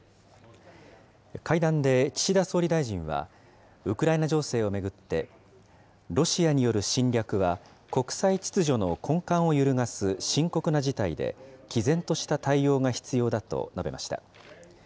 会談で、岸田総理大臣は、ウクライナ情勢を巡って、ロシアによる侵略は、国際秩序の根幹を揺るがす深刻な事態で、きぜんとした対応が必要だと述べました。